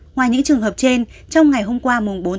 ngoài những trường hợp trên trong ngày hôm qua bốn một mươi một